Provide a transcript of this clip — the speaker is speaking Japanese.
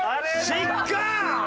失格！